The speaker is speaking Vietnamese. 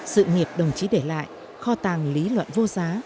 sự nghiệp đồng chí để lại kho tàng lý luận vô giá